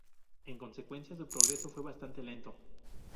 En consecuencia, su progreso fue bastante lento.